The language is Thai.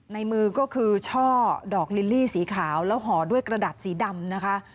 ในมือก็คือช่อดอกลิลลี่สีขาวแล้วห่อด้วยกระดาษสีดำนะคะ